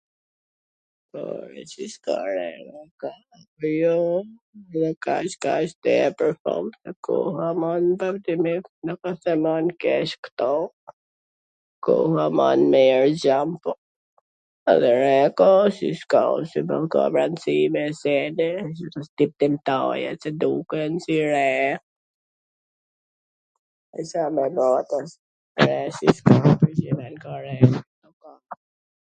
po, re, si s'ka re, ka, jo kaq tepwr po ...koha man mir, nuk w se man keq ktu, koha man mir, xham, po edhe re ka, si s'ka, ... tymtaja qw duken si re, Ca me ba